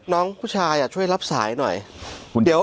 น้องผู้ชายช่วยรับสายหน่อย